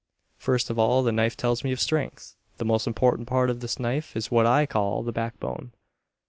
First of all the knife tells me of Strength. The most important part of this knife is what I call the backbone.